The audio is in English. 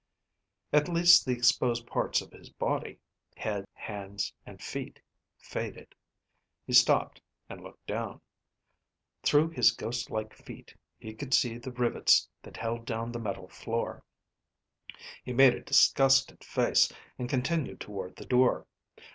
At least the exposed parts of his body head, hands, and feet faded. He stopped and looked down. Through his ghost like feet, he could see the rivets that held down the metal floor. He made a disgusted face, and continued toward the door.